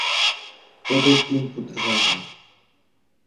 এঁদের তিন পুত্র সন্তান।